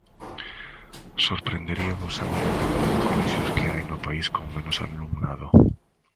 Sorprenderíavos saber o número de colexios que hai no país con menos alumnado.